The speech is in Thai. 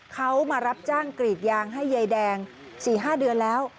เขามารับจ้างกรีดยางให้ยายแดง๔๕เดือนแล้ว